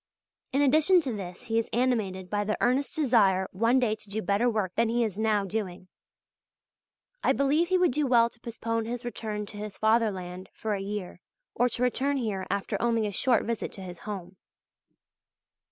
In addition to this he is animated by the earnest desire one day to do better work than he is now doing. I believe he would do well to postpone his return to his Fatherland for a year, or to return here after only a short visit to his home.